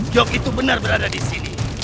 jok itu benar berada disini